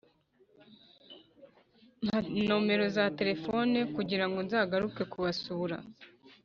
mpa nomero za telefoni kugira ngo nzagaruke kubasura